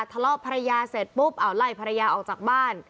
ทะเลาะภรรยาเสร็จปุ๊บเอาไล่ภรรยาออกจากบ้าน